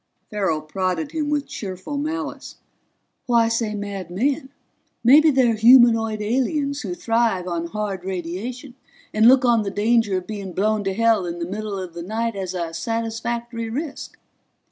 Farrell prodded him with cheerful malice. "Why say mad men? Maybe they're humanoid aliens who thrive on hard radiation and look on the danger of being blown to hell in the middle of the night as a satisfactory risk."